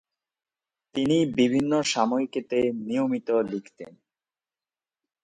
তিনি বিভিন্ন সাময়িকীতে নিয়মিত লিখতেন।